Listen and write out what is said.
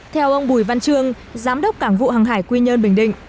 theo ông bùi văn trương giám đốc cảng vụ hàng hải quy nhơn bình định